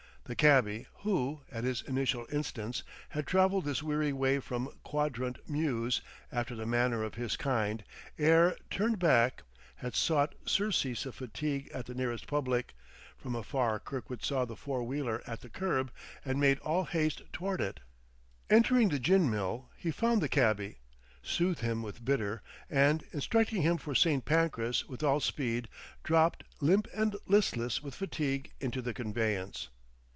The cabby who, at his initial instance, had traveled this weary way from Quadrant Mews, after the manner of his kind, ere turning back, had sought surcease of fatigue at the nearest public; from afar Kirkwood saw the four wheeler at the curb, and made all haste toward it. Entering the gin mill he found the cabby, soothed him with bitter, and, instructing him for St. Pancras with all speed, dropped, limp and listless with fatigue, into the conveyance.